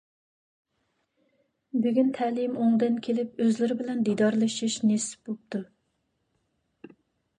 بۈگۈن تەلىيىم ئوڭدىن كېلىپ ئۆزلىرى بىلەن دىدارلىشىش نېسىپ بوپتۇ!